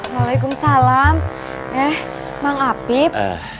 waalaikumsalam eh mengapit